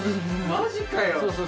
マジかよ！